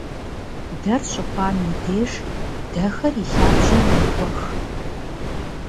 Дэр щыхъуам и деж дэхэр и лъабжьэм йохуэх.